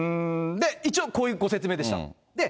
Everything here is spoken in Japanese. で、一応こういうご説明でした。